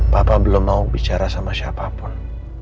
bapak belum mau bicara sama siapapun